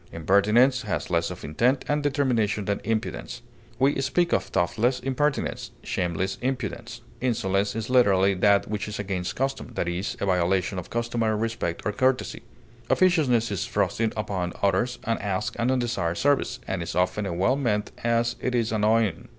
Impertinence has less of intent and determination than impudence. We speak of thoughtless impertinence, shameless impudence. Insolence is literally that which is against custom, i. e., the violation of customary respect and courtesy. Officiousness is thrusting upon others unasked and undesired service, and is often as well meant as it is annoying.